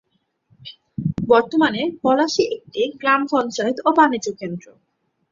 বর্তমানে পলাশী একটি গ্রাম পঞ্চায়েত ও বাণিজ্যকেন্দ্র।